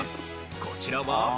こちらは。